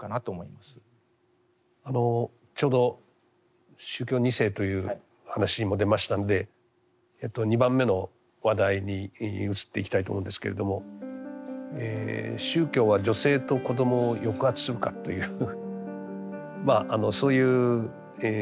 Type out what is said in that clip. ちょうど宗教２世という話も出ましたんで２番目の話題に移っていきたいと思うんですけれども「宗教は女性と子どもを抑圧するか？」というそういう問いをですね